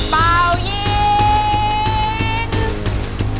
เป่ายิง